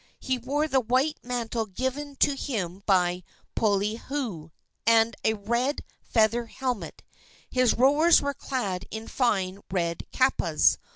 He wore the white mantle given to him by Poliahu, and a red feather helmet. His rowers were clad in fine red kapas.